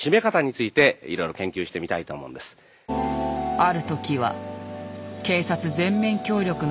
ある時は警察全面協力のもと。